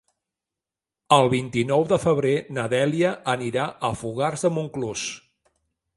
El vint-i-nou de febrer na Dèlia anirà a Fogars de Montclús.